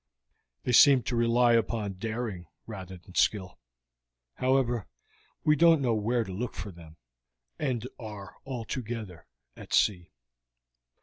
They seem to rely upon daring rather than skill. Anyhow, we don't know where to look for them, and are altogether at sea.